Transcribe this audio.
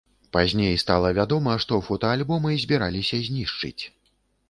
Пазней стала вядома, што фотаальбомы збіраліся знішчыць.